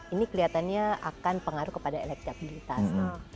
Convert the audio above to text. ini kelihatannya akan pengaruh kepada elektabilitas